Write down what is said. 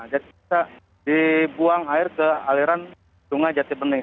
jadi bisa dibuang air ke aliran sungai jati bening